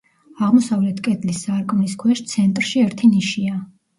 აღმოსავლეთ კედლის სარკმლის ქვეშ, ცენტრში ერთი ნიშია.